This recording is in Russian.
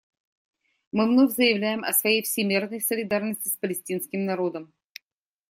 Мы вновь заявляем о своей всемерной солидарности с палестинским народом.